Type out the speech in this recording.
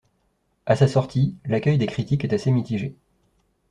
À sa sortie, l'accueil des critiques est assez mitigé.